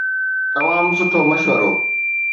تمام سٺو مشورو.